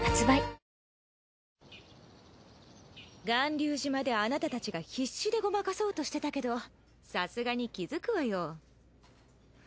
巌流島であなたたちが必死でごまかそうとしてたけどさすがに気づくわよ。